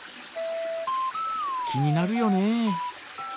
気になるよね。